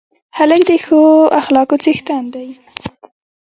هلک د ښه اخلاقو څښتن دی.